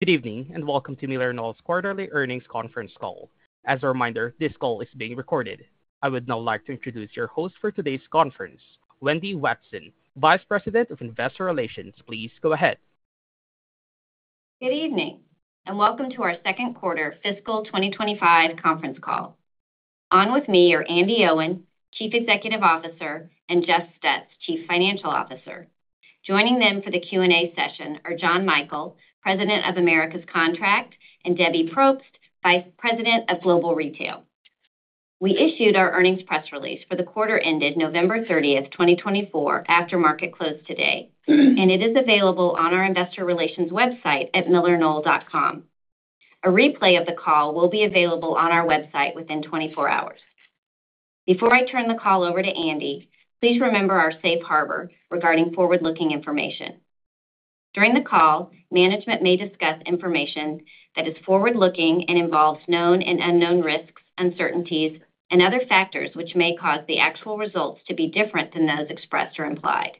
Good evening and welcome to MillerKnoll's Quarterly Earnings Conference Call. As a reminder, this call is being recorded. I would now like to introduce your host for today's conference, Wendy Watson, Vice President of Investor Relations. Please go ahead. Good evening and welcome to our Q2 fiscal 2025 conference call. On with me are Andi Owen, Chief Executive Officer, and Jeff Stutz, Chief Financial Officer. Joining them for the Q&A session are John Michael, President of Americas Contract, and Debbie Propst, Vice President of Global Retail. We issued our earnings press release for the quarter ended November 30, 2024, after market close today, and it is available on our investor relations website at millerknoll.com. A replay of the call will be available on our website within 24 hours. Before I turn the call over to Andi, please remember our safe harbor regarding forward-looking information. During the call, management may discuss information that is forward-looking and involves known and unknown risks, uncertainties, and other factors which may cause the actual results to be different than those expressed or implied.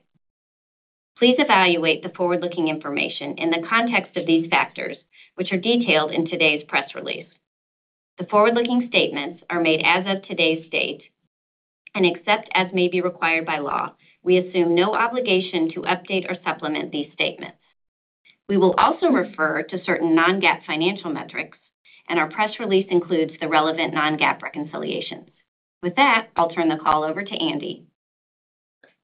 Please evaluate the forward-looking information in the context of these factors, which are detailed in today's press release. The forward-looking statements are made as of today's date and, except as may be required by law, we assume no obligation to update or supplement these statements. We will also refer to certain non-GAAP financial metrics, and our press release includes the relevant non-GAAP reconciliations. With that, I'll turn the call over to Andi.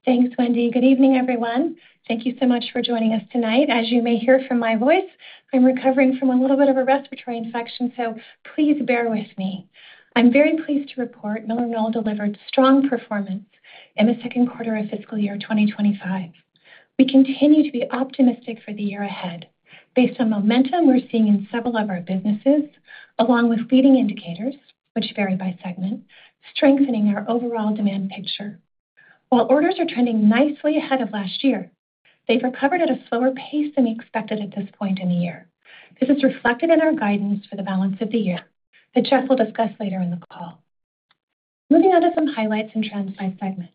Thanks, Wendy. Good evening, everyone. Thank you so much for joining us tonight. As you may hear from my voice, I'm recovering from a little bit of a respiratory infection, so please bear with me. I'm very pleased to report MillerKnoll delivered strong performance in the Q2 of fiscal year 2025. We continue to be optimistic for the year ahead based on momentum we're seeing in several of our businesses, along with leading indicators, which vary by segment, strengthening our overall demand picture. While orders are trending nicely ahead of last year, they've recovered at a slower pace than we expected at this point in the year. This is reflected in our guidance for the balance of the year that Jeff will discuss later in the call. Moving on to some highlights and trends by segment.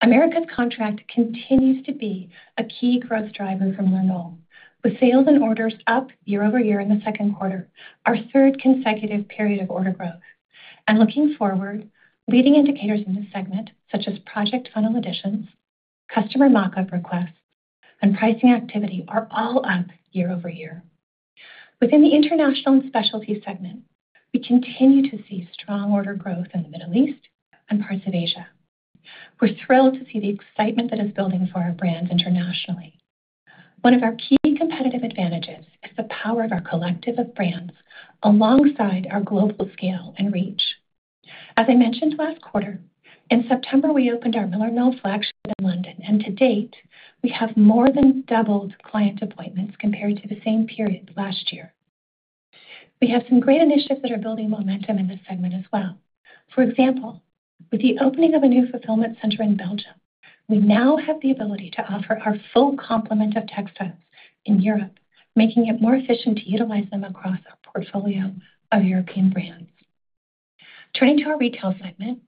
Americas Contract continues to be a key growth driver for MillerKnoll, with sales and orders up year-over-year in the Q2, our third consecutive period of order growth, and looking forward, leading indicators in this segment, such as project funnel additions, customer mock-up requests, and pricing activity, are all up year-over-year. Within the International and Specialty segment, we continue to see strong order growth in the Middle East and parts of Asia. We're thrilled to see the excitement that is building for our brands internationally. One of our key competitive advantages is the power of our collective of brands alongside our global scale and reach. As I mentioned last quarter, in September, we opened our MillerKnoll flagship in London, and to date, we have more than doubled client appointments compared to the same period last year. We have some great initiatives that are building momentum in this segment as well. For example, with the opening of a new fulfillment center in Belgium, we now have the ability to offer our full complement of textiles in Europe, making it more efficient to utilize them across our portfolio of European brands. Turning to our retail segment,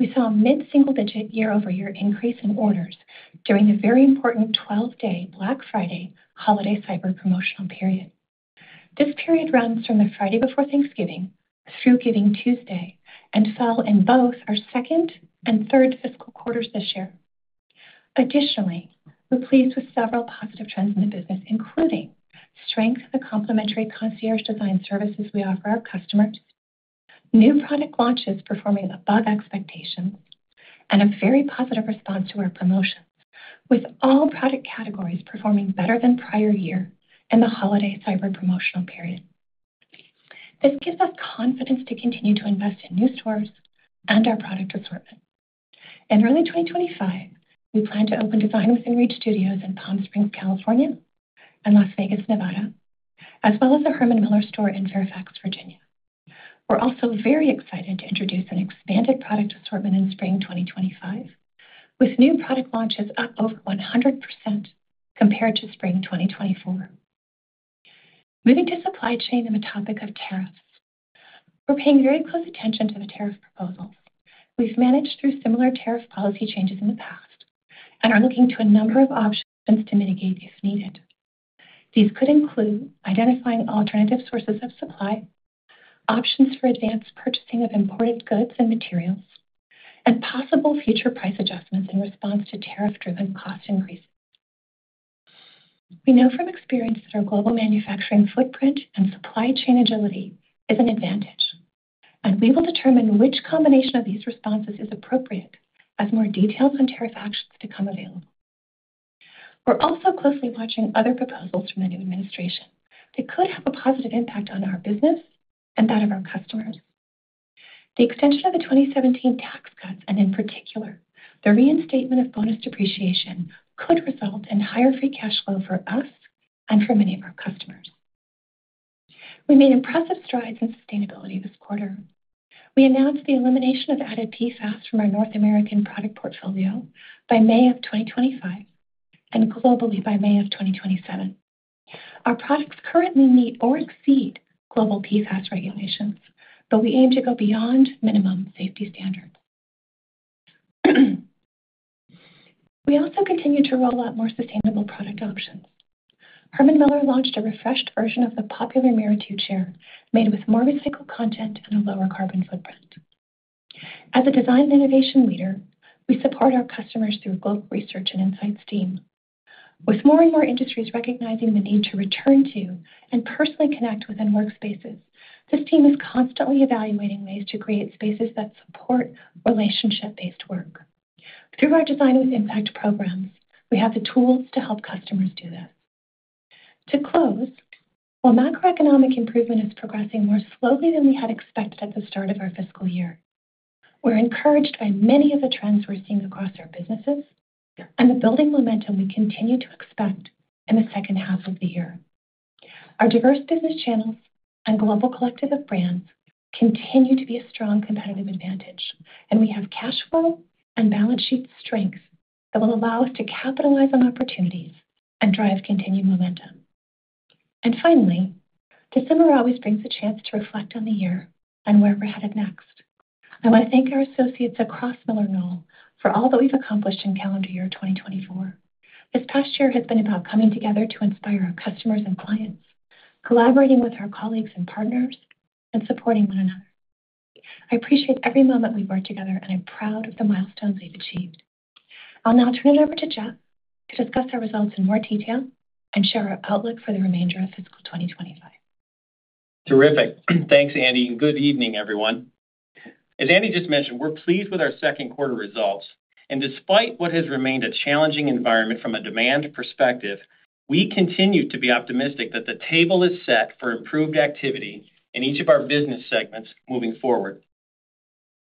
we saw a mid-single-digit year-over-year increase in orders during the very important 12-day Black Friday holiday cyber promotional period. This period runs from the Friday before Thanksgiving through Giving Tuesday and fell in both our second and third fiscal quarters this year. Additionally, we're pleased with several positive trends in the business, including strength of the complementary concierge design services we offer our customers, new product launches performing above expectations, and a very positive response to our promotions, with all product categories performing better than prior year in the holiday cyber promotional period. This gives us confidence to continue to invest in new stores and our product assortment. In early 2025, we plan to open Design Within Reach studios in Palm Springs, California, and Las Vegas, Nevada, as well as a Herman Miller store in Fairfax, Virginia. We're also very excited to introduce an expanded product assortment in spring 2025, with new product launches up over 100% compared to spring 2024. Moving to supply chain and the topic of tariffs. We're paying very close attention to the tariff proposals. We've managed through similar tariff policy changes in the past and are looking to a number of options to mitigate if needed. These could include identifying alternative sources of supply, options for advanced purchasing of imported goods and materials, and possible future price adjustments in response to tariff-driven cost increases. We know from experience that our global manufacturing footprint and supply chain agility is an advantage, and we will determine which combination of these responses is appropriate as more details on tariff actions become available. We're also closely watching other proposals from the new administration that could have a positive impact on our business and that of our customers. The extension of the 2017 tax cuts and, in particular, the reinstatement of bonus depreciation could result in higher free cash flow for us and for many of our customers. We made impressive strides in sustainability this quarter. We announced the elimination of added PFAS from our North American product portfolio by May of 2025 and globally by May of 2027. Our products currently meet or exceed global PFAS regulations, but we aim to go beyond minimum safety standards. We also continue to roll out more sustainable product options. Herman Miller launched a refreshed version of the popular Mirra 2 chair made with more recycled content and a lower carbon footprint. As a design and innovation leader, we support our customers through a global research and insights team. With more and more industries recognizing the need to return to and personally connect within workspaces, this team is constantly evaluating ways to create spaces that support relationship-based work. Through our design with impact programs, we have the tools to help customers do this. To close, while macroeconomic improvement is progressing more slowly than we had expected at the start of our fiscal year, we're encouraged by many of the trends we're seeing across our businesses and the building momentum we continue to expect in the second half of the year. Our diverse business channels and global collective of brands continue to be a strong competitive advantage, and we have cash flow and balance sheet strength that will allow us to capitalize on opportunities and drive continued momentum. And finally, December always brings a chance to reflect on the year and where we're headed next. I want to thank our associates across MillerKnoll for all that we've accomplished in calendar year 2024. This past year has been about coming together to inspire our customers and clients, collaborating with our colleagues and partners, and supporting one another. I appreciate every moment we've worked together, and I'm proud of the milestones we've achieved. I'll now turn it over to Jeff to discuss our results in more detail and share our outlook for the remainder of fiscal 2025. Terrific. Thanks, Andi, and good evening, everyone. As Andi just mentioned, we're pleased with our Q2 results and, despite what has remained a challenging environment from a demand perspective, we continue to be optimistic that the table is set for improved activity in each of our business segments moving forward.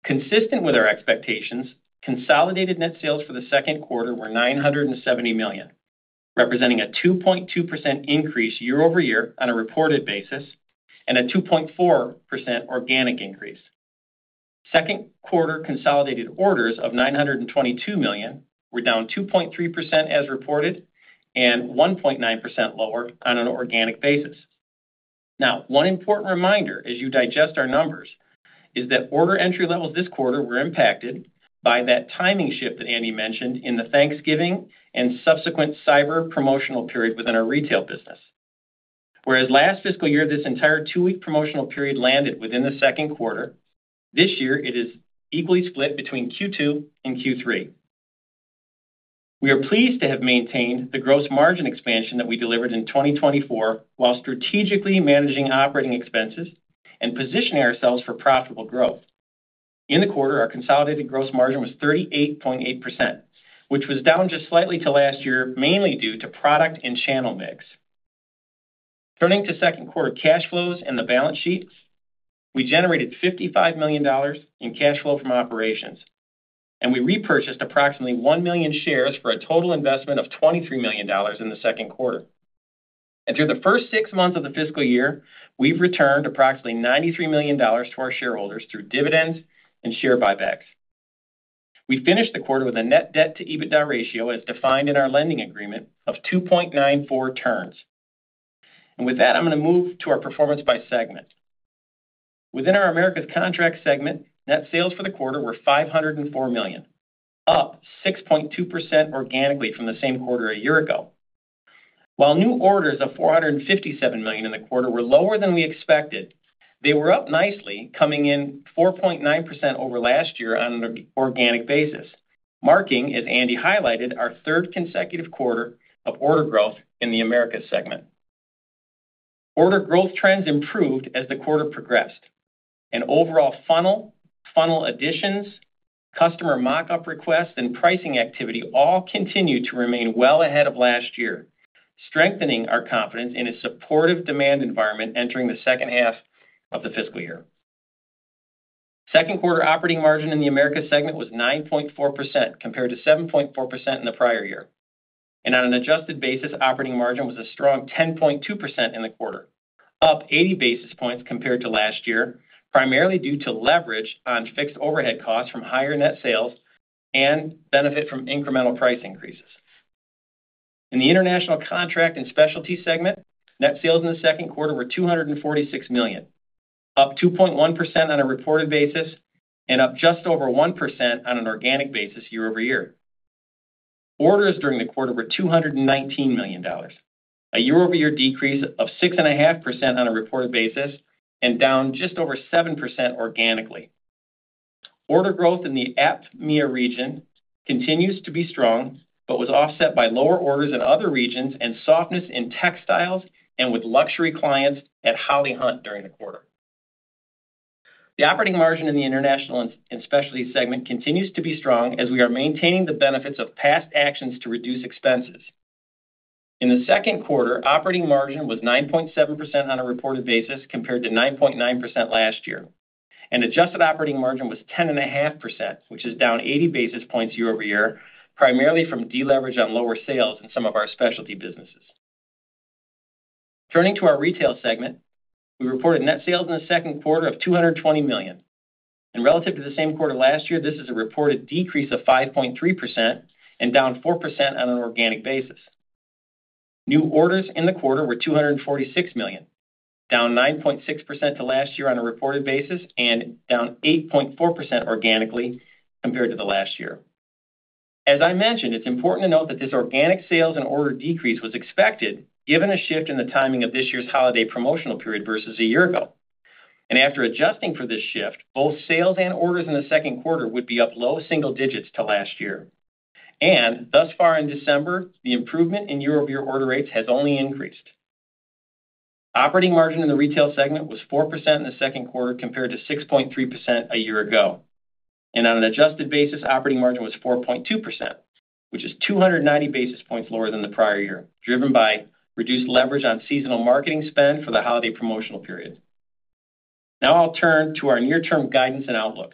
Consistent with our expectations, consolidated net sales for the Q2 were $970 million, representing a 2.2% increase year-over-year on a reported basis and a 2.4% organic increase. Q2 consolidated orders of $922 million were down 2.3% as reported and 1.9% lower on an organic basis. Now, one important reminder as you digest our numbers is that order entry levels this quarter were impacted by that timing shift that Andi mentioned in the Thanksgiving and subsequent cyber promotional period within our retail business. Whereas last fiscal year, this entire two-week promotional period landed within the Q2, this year it is equally split between Q2 and Q3. We are pleased to have maintained the gross margin expansion that we delivered in 2024 while strategically managing operating expenses and positioning ourselves for profitable growth. In the quarter, our consolidated gross margin was 38.8%, which was down just slightly to last year, mainly due to product and channel mix. Turning to Q2 cash flows and the balance sheet, we generated $55 million in cash flow from operations, and we repurchased approximately one million shares for a total investment of $23 million in the Q2, and through the first six months of the fiscal year, we've returned approximately $93 million to our shareholders through dividends and share buybacks. We finished the quarter with a net debt-to-EBITDA ratio as defined in our lending agreement of 2.94 turns. And with that, I'm going to move to our performance by segment. Within our Americas Contract segment, net sales for the quarter were $504 million, up 6.2% organically from the same quarter a year ago. While new orders of $457 million in the quarter were lower than we expected, they were up nicely, coming in 4.9% over last year on an organic basis, marking, as Andi highlighted, our third consecutive quarter of order growth in the Americas segment. Order growth trends improved as the quarter progressed, and overall funnel, funnel additions, customer mock-up requests, and pricing activity all continued to remain well ahead of last year, strengthening our confidence in a supportive demand environment entering the second half of the fiscal year. Q2 operating margin in the Americas segment was 9.4% compared to 7.4% in the prior year, and on an adjusted basis, operating margin was a strong 10.2% in the quarter, up 80 basis points compared to last year, primarily due to leverage on fixed overhead costs from higher net sales and benefit from incremental price increases. In the international contract and specialty segment, net sales in the Q2 were $246 million, up 2.1% on a reported basis and up just over 1% on an organic basis year-over-year. Orders during the quarter were $219 million, a year-over-year decrease of 6.5% on a reported basis and down just over 7% organically. Order growth in the APMEA region continues to be strong but was offset by lower orders in other regions and softness in textiles and with luxury clients at Holly Hunt during the quarter. The operating margin in the International and Specialty segment continues to be strong as we are maintaining the benefits of past actions to reduce expenses. In the Q2, operating margin was 9.7% on a reported basis compared to 9.9% last year. Adjusted operating margin was 10.5%, which is down 80 basis points year-over-year, primarily from deleverage on lower sales in some of our specialty businesses. Turning to our retail segment, we reported net sales in the Q2 of $220 million. Relative to the same quarter last year, this is a reported decrease of 5.3% and down 4% on an organic basis. New orders in the quarter were $246 million, down 9.6% to last year on a reported basis and down 8.4% organically compared to the last year. As I mentioned, it's important to note that this organic sales and order decrease was expected given a shift in the timing of this year's holiday promotional period versus a year ago. And after adjusting for this shift, both sales and orders in the Q2 would be up low single digits to last year. And thus far in December, the improvement in year-over-year order rates has only increased. Operating margin in the retail segment was 4% in the Q2 compared to 6.3% a year ago. And on an adjusted basis, operating margin was 4.2%, which is 290 basis points lower than the prior year, driven by reduced leverage on seasonal marketing spend for the holiday promotional period. Now I'll turn to our near-term guidance and outlook.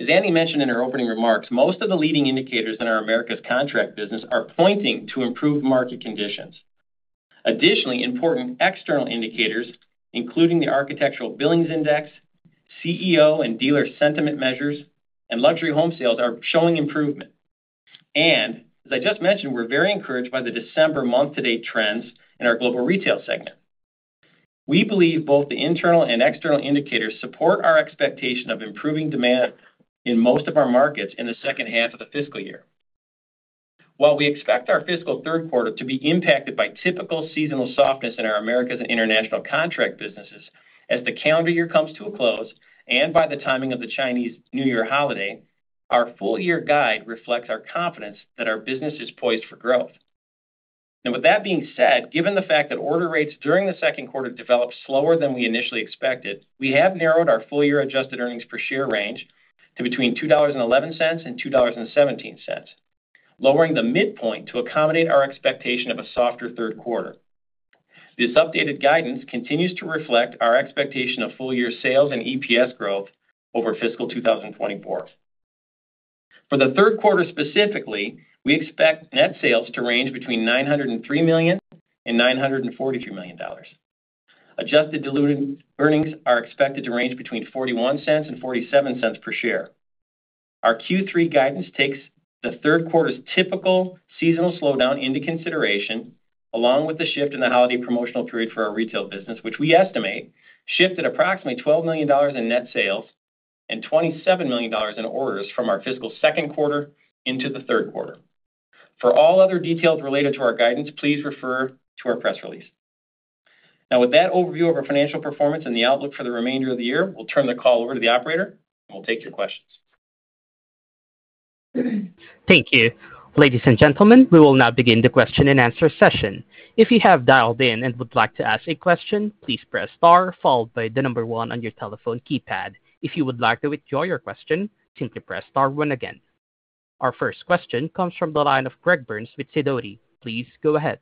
As Andi mentioned in her opening remarks, most of the leading indicators in our Americas Contract business are pointing to improved market conditions. Additionally, important external indicators, including the Architectural Billings Index, CEO and dealer sentiment measures, and luxury home sales are showing improvement, and as I just mentioned, we're very encouraged by the December month-to-date trends in our global retail segment. We believe both the internal and external indicators support our expectation of improving demand in most of our markets in the second half of the fiscal year. While we expect our fiscal Q3 to be impacted by typical seasonal softness in our Americas and international contract businesses as the calendar year comes to a close and by the timing of the Chinese New Year holiday, our full-year guide reflects our confidence that our business is poised for growth. With that being said, given the fact that order rates during the Q2 developed slower than we initially expected, we have narrowed our full-year adjusted earnings per share range to between $2.11 and $2.17, lowering the midpoint to accommodate our expectation of a softer Q3. This updated guidance continues to reflect our expectation of full-year sales and EPS growth over fiscal 2024. For the Q3 specifically, we expect net sales to range between $903 million and $943 million. Adjusted diluted earnings are expected to range between $0.41 and $0.47 per share. Our Q3 guidance takes the Q3's typical seasonal slowdown into consideration along with the shift in the holiday promotional period for our retail business, which we estimate shifted approximately $12 million in net sales and $27 million in orders from our fiscal Q2 into the Q3. For all other details related to our guidance, please refer to our press release. Now, with that overview of our financial performance and the outlook for the remainder of the year, we'll turn the call over to the operator, and we'll take your questions. Thank you. Ladies and gentlemen, we will now begin the question and answer session. If you have dialed in and would like to ask a question, please press star followed by the number one on your telephone keypad. If you would like to withdraw your question, simply press star one again. Our first question comes from the line of Greg Burns with Sidoti. Please go ahead.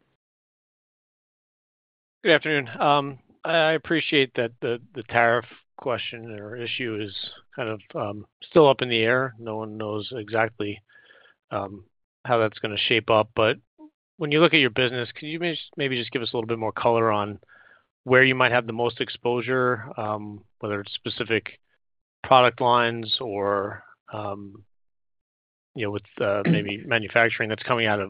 Good afternoon. I appreciate that the tariff question or issue is kind of still up in the air. No one knows exactly how that's going to shape up. But when you look at your business, can you maybe just give us a little bit more color on where you might have the most exposure, whether it's specific product lines or with maybe manufacturing that's coming out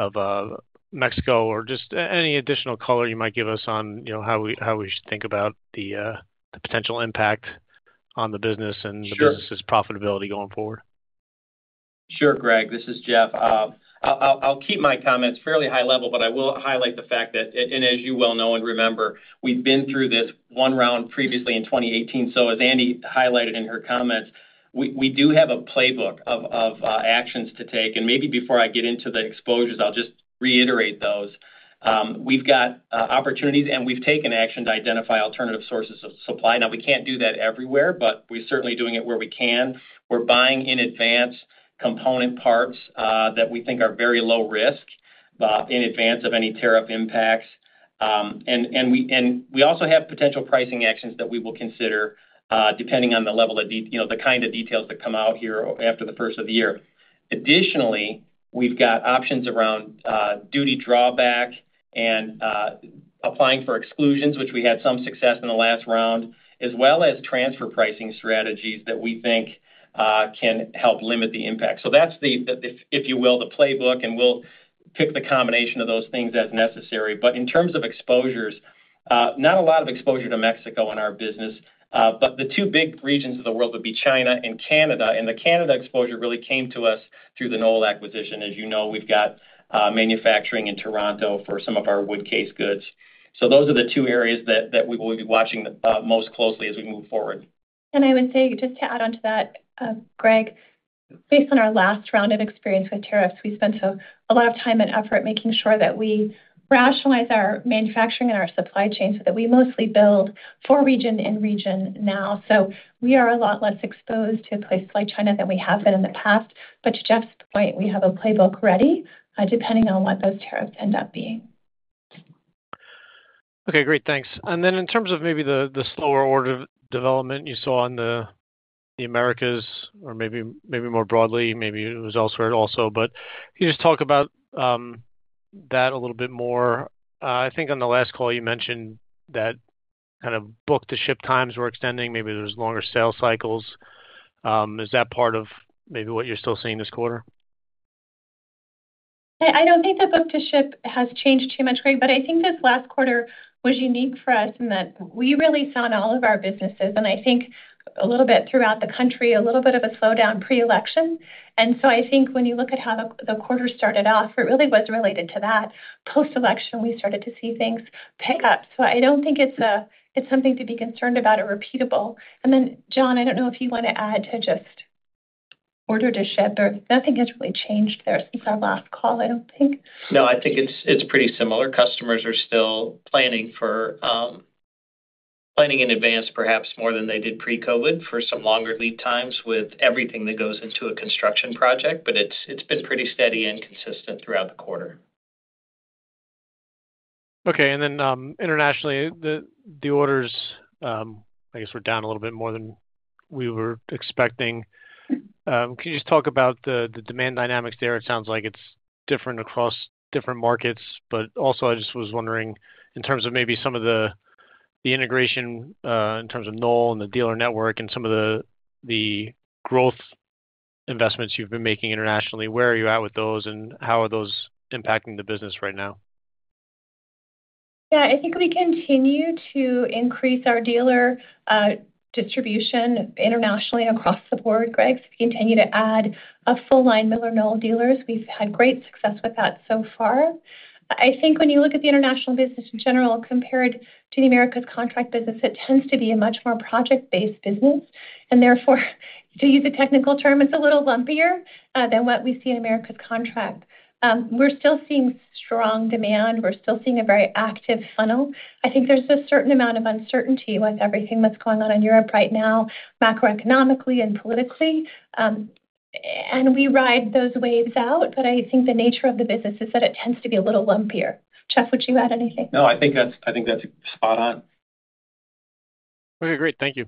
of Mexico or just any additional color you might give us on how we should think about the potential impact on the business and the business's profitability going forward? Sure, Greg. This is Jeff. I'll keep my comments fairly high level, but I will highlight the fact that, and as you well know and remember, we've been through this one round previously in 2018. So as Andi highlighted in her comments, we do have a playbook of actions to take. And maybe before I get into the exposures, I'll just reiterate those. We've got opportunities, and we've taken action to identify alternative sources of supply. Now, we can't do that everywhere, but we're certainly doing it where we can. We're buying in advance component parts that we think are very low risk in advance of any tariff impacts. And we also have potential pricing actions that we will consider depending on the level of the kind of details that come out here after the first of the year. Additionally, we've got options around duty drawback and applying for exclusions, which we had some success in the last round, as well as transfer pricing strategies that we think can help limit the impact. So that's, if you will, the playbook, and we'll pick the combination of those things as necessary. But in terms of exposures, not a lot of exposure to Mexico in our business, but the two big regions of the world would be China and Canada. And the Canada exposure really came to us through the Knoll acquisition. As you know, we've got manufacturing in Toronto for some of our wood case goods. So those are the two areas that we will be watching most closely as we move forward. I would say, just to add on to that, Greg, based on our last round of experience with tariffs, we spent a lot of time and effort making sure that we rationalize our manufacturing and our supply chain so that we mostly build for the region and serve the region now. So we are a lot less exposed to a place like China than we have been in the past. But to Jeff's point, we have a playbook ready depending on what those tariffs end up being. Okay, great. Thanks. And then in terms of maybe the slower order of development you saw in the Americas or maybe more broadly, maybe it was elsewhere also, but can you just talk about that a little bit more? I think on the last call, you mentioned that kind of book-to-ship times were extending. Maybe there were longer sales cycles. Is that part of maybe what you're still seeing this quarter? I don't think the book-to-ship has changed too much, Greg, but I think this last quarter was unique for us in that we really saw in all of our businesses, and I think a little bit throughout the country, a little bit of a slowdown pre-election. And so I think when you look at how the quarter started off, it really was related to that. Post-election, we started to see things pick up. So I don't think it's something to be concerned about or repeatable. And then, John, I don't know if you want to add to just order-to-ship, but nothing has really changed there since our last call, I don't think. No, I think it's pretty similar. Customers are still planning in advance, perhaps more than they did pre-COVID, for some longer lead times with everything that goes into a construction project, but it's been pretty steady and consistent throughout the quarter. Okay. And then internationally, the orders, I guess, were down a little bit more than we were expecting. Can you just talk about the demand dynamics there? It sounds like it's different across different markets. But also, I just was wondering in terms of maybe some of the integration in terms of Knoll and the dealer network and some of the growth investments you've been making internationally, where are you at with those, and how are those impacting the business right now? Yeah. I think we continue to increase our dealer distribution internationally and across the board, Greg, to continue to add a full line MillerKnoll dealers. We've had great success with that so far. I think when you look at the international business in general, compared to the Americas contract business, it tends to be a much more project-based business. And therefore, to use a technical term, it's a little lumpier than what we see in Americas contract. We're still seeing strong demand. We're still seeing a very active funnel. I think there's a certain amount of uncertainty with everything that's going on in Europe right now, macroeconomically and politically. And we ride those waves out, but I think the nature of the business is that it tends to be a little lumpier. Jeff, would you add anything? No, I think that's spot on. Okay, great. Thank you.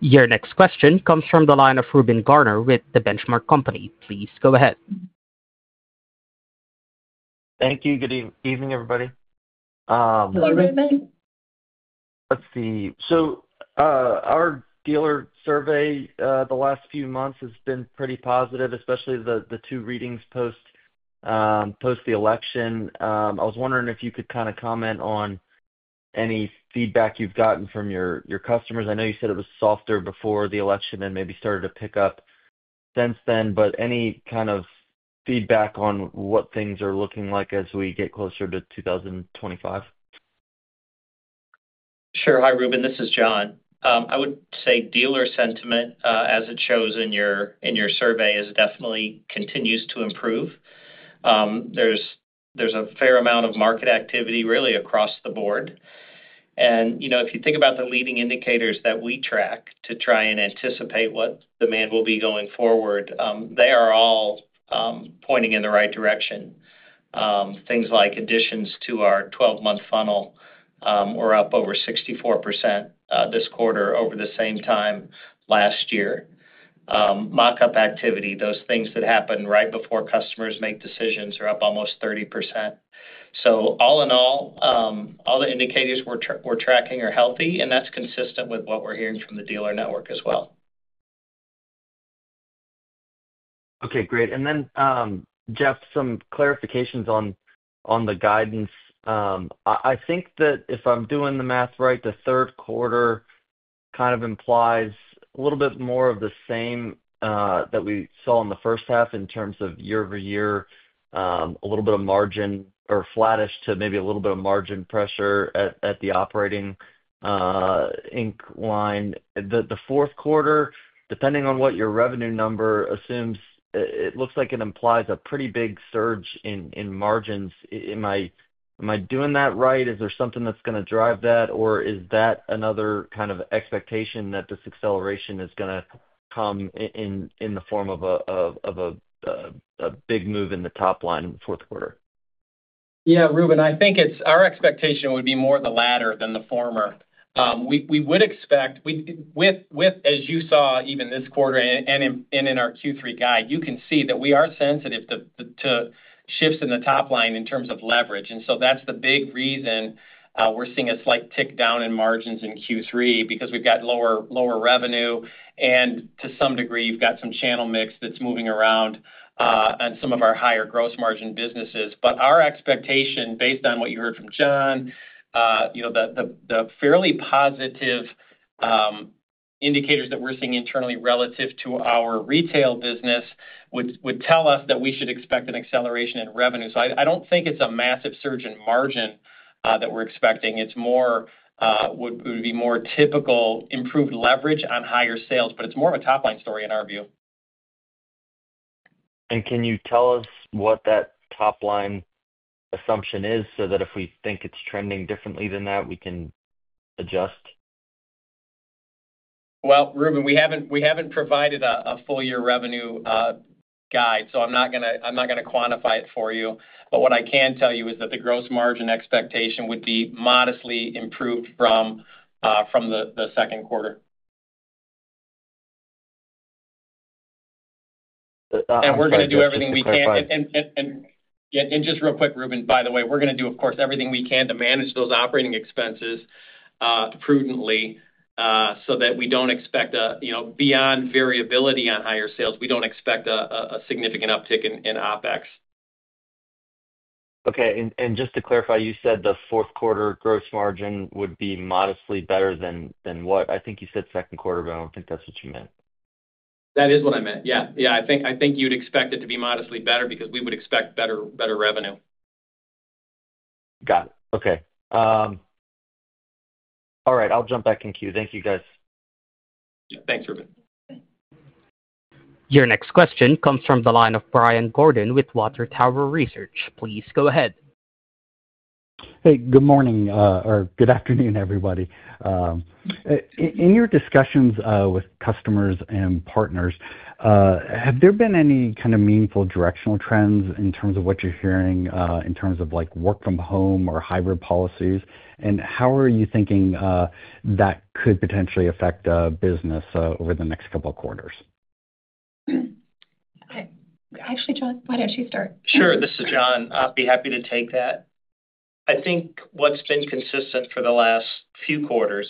Your next question comes from the line of Reuben Garner with The Benchmark Company. Please go ahead. Thank you. Good evening, everybody. Hello, Reuben. Let's see. So our dealer survey the last few months has been pretty positive, especially the two readings post the election. I was wondering if you could kind of comment on any feedback you've gotten from your customers. I know you said it was softer before the election and maybe started to pick up since then, but any kind of feedback on what things are looking like as we get closer to 2025? Sure. Hi, Rubin. This is John. I would say dealer sentiment, as it shows in your survey, definitely continues to improve. There's a fair amount of market activity really across the board. And if you think about the leading indicators that we track to try and anticipate what demand will be going forward, they are all pointing in the right direction. Things like additions to our 12-month funnel were up over 64% this quarter over the same time last year. Mock-up activity, those things that happen right before customers make decisions, are up almost 30%. So all in all, all the indicators we're tracking are healthy, and that's consistent with what we're hearing from the dealer network as well. Okay, great. And then, Jeff, some clarifications on the guidance. I think that if I'm doing the math right, the Q3 kind of implies a little bit more of the same that we saw in the first half in terms of year-over-year, a little bit of margin or flattish to maybe a little bit of margin pressure at the operating income line. The Q4, depending on what your revenue number assumes, it looks like it implies a pretty big surge in margins. Am I doing that right? Is there something that's going to drive that, or is that another kind of expectation that this acceleration is going to come in the form of a big move in the top line in the Q4? Yeah, Rubin, I think our expectation would be more the latter than the former. We would expect, as you saw even this quarter and in our Q3 guide, you can see that we are sensitive to shifts in the top line in terms of leverage. And so that's the big reason we're seeing a slight tick down in margins in Q3 because we've got lower revenue. And to some degree, you've got some channel mix that's moving around on some of our higher gross margin businesses. But our expectation, based on what you heard from John, the fairly positive indicators that we're seeing internally relative to our retail business would tell us that we should expect an acceleration in revenue. So I don't think it's a massive surge in margin that we're expecting. It would be more typical improved leverage on higher sales, but it's more of a top-line story in our view. Can you tell us what that top-line assumption is so that if we think it's trending differently than that, we can adjust? Rubin, we haven't provided a full-year revenue guide, so I'm not going to quantify it for you. But what I can tell you is that the gross margin expectation would be modestly improved from the Q2. And we're going to do everything we can. And just real quick, Rubin, by the way, we're going to do, of course, everything we can to manage those operating expenses prudently so that we don't expect a beyond variability on higher sales. We don't expect a significant uptick in OpEx. Okay. And just to clarify, you said the Q4 gross margin would be modestly better than what? I think you said Q2, but I don't think that's what you meant. That is what I meant. Yeah. Yeah. I think you'd expect it to be modestly better because we would expect better revenue. Got it. Okay. All right. I'll jump back in queue. Thank you, guys. Thanks, Reuben. Your next question comes from the line of Brian Gordon with Water Tower Research. Please go ahead. Hey, good morning or good afternoon, everybody. In your discussions with customers and partners, have there been any kind of meaningful directional trends in terms of what you're hearing in terms of work-from-home or hybrid policies, and how are you thinking that could potentially affect business over the next couple of quarters? Actually, John, why don't you start? Sure. This is John. I'd be happy to take that. I think what's been consistent for the last few quarters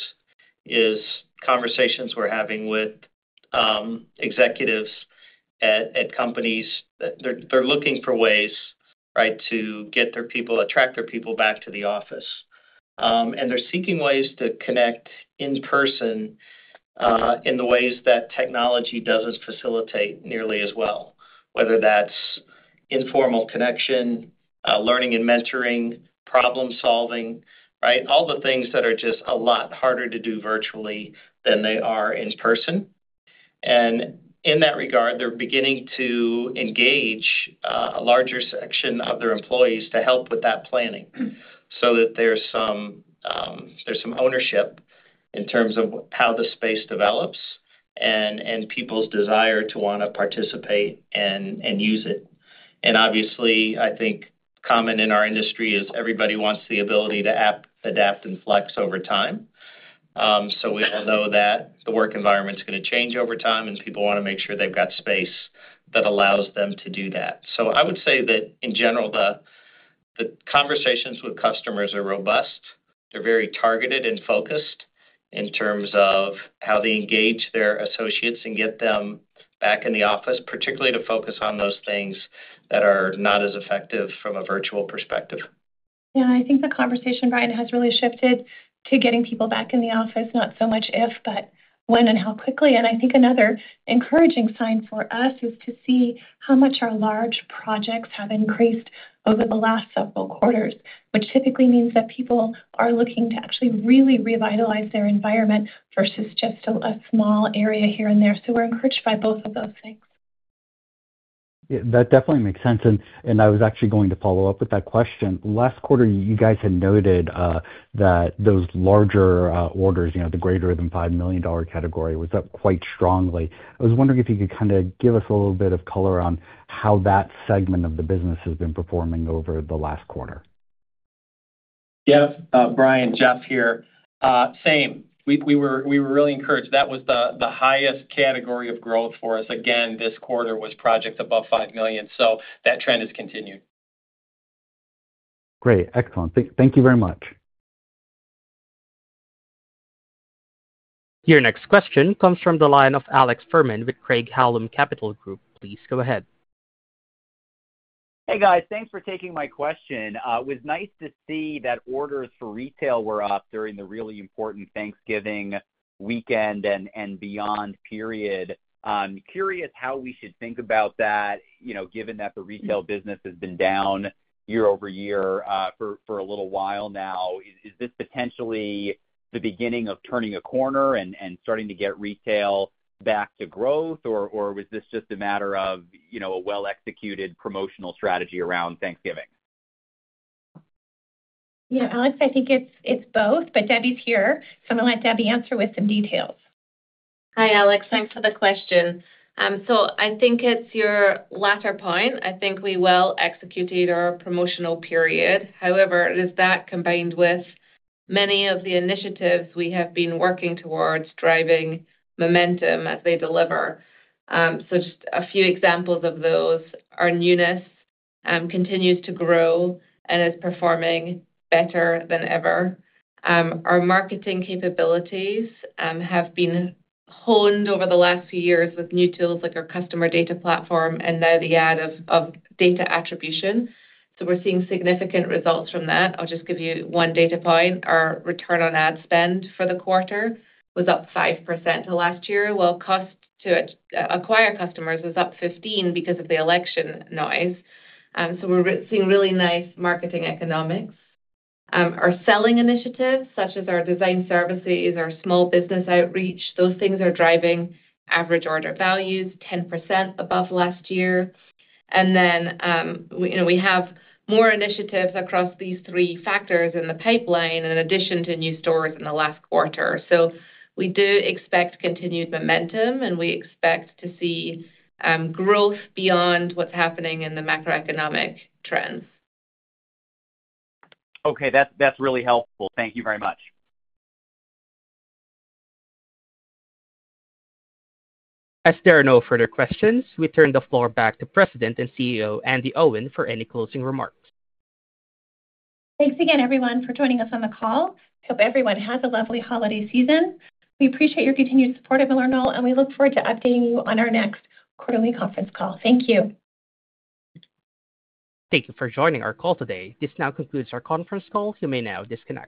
is conversations we're having with executives at companies. They're looking for ways, right, to get their people, attract their people back to the office, and they're seeking ways to connect in person in the ways that technology doesn't facilitate nearly as well, whether that's informal connection, learning and mentoring, problem-solving, right, all the things that are just a lot harder to do virtually than they are in person. And in that regard, they're beginning to engage a larger section of their employees to help with that planning so that there's some ownership in terms of how the space develops and people's desire to want to participate and use it, and obviously, I think common in our industry is everybody wants the ability to adapt and flex over time. So we all know that the work environment's going to change over time, and people want to make sure they've got space that allows them to do that. So I would say that in general, the conversations with customers are robust. They're very targeted and focused in terms of how they engage their associates and get them back in the office, particularly to focus on those things that are not as effective from a virtual perspective. Yeah. I think the conversation, Brian, has really shifted to getting people back in the office, not so much if, but when and how quickly, and I think another encouraging sign for us is to see how much our large projects have increased over the last several quarters, which typically means that people are looking to actually really revitalize their environment versus just a small area here and there, so we're encouraged by both of those things. That definitely makes sense, and I was actually going to follow up with that question. Last quarter, you guys had noted that those larger orders, the greater than $5 million category, was up quite strongly. I was wondering if you could kind of give us a little bit of color on how that segment of the business has been performing over the last quarter. Yeah. Brian, Jeff here. Same. We were really encouraged. That was the highest category of growth for us. Again, this quarter was projects above $5 million. So that trend has continued. Great. Excellent. Thank you very much. Your next question comes from the line of Alex Fuhrman with Craig-Hallum Capital Group. Please go ahead. Hey, guys. Thanks for taking my question. It was nice to see that orders for retail were up during the really important Thanksgiving weekend and beyond period. Curious how we should think about that, given that the retail business has been down year-over-year for a little while now. Is this potentially the beginning of turning a corner and starting to get retail back to growth, or was this just a matter of a well-executed promotional strategy around Thanksgiving? Yeah. Alex, I think it's both, but Debbie's here. So I'm going to let Debbie answer with some details. Hi, Alex. Thanks for the question. I think it's your latter point. I think we well executed our promotional period. However, it is that combined with many of the initiatives we have been working towards driving momentum as they deliver. Just a few examples of those. Our newness continues to grow and is performing better than ever. Our marketing capabilities have been honed over the last few years with new tools like our customer data platform and now the addition of data attribution. We're seeing significant results from that. I'll just give you one data point. Our return on ad spend for the quarter was up 5% to last year, while cost to acquire customers was up 15% because of the election noise. We're seeing really nice marketing economics. Our selling initiatives, such as our design services, our small business outreach, those things are driving average order values 10% above last year, and then we have more initiatives across these three factors in the pipeline in addition to new stores in the last quarter, so we do expect continued momentum, and we expect to see growth beyond what's happening in the macroeconomic trends. Okay. That's really helpful. Thank you very much. As there are no further questions, we turn the floor back to President and CEO Andi Owen for any closing remarks. Thanks again, everyone, for joining us on the call. I hope everyone has a lovely holiday season. We appreciate your continued support at MillerKnoll, and we look forward to updating you on our next quarterly conference call. Thank you. Thank you for joining our call today. This now concludes our conference call. You may now disconnect.